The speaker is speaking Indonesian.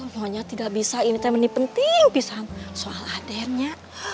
nyo nya ini penting soal adennya